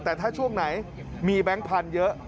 แต่ถ้าช่วงไหนมีแบงค์พันธุ์เยอะ